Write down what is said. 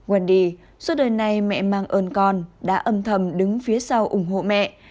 wendy suốt đời này mẹ mang ơn con đã âm thầm đứng phía sau ủng hộ mẹ